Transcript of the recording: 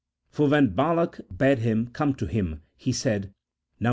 For when Balak bade him come to him, he said (Num.